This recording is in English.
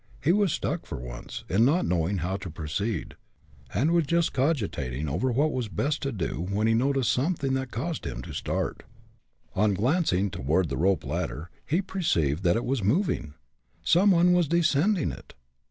He was stuck for once, in not knowing how to proceed, and was just cogitating over what was best to do, when he noticed something that caused him to start. On glancing toward the rope ladder, he perceived that it was moving! Some one was descending it!